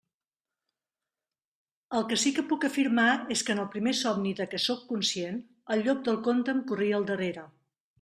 El que sí que puc afirmar és que en el primer somni de què sóc conscient, el llop del conte em corria al darrere.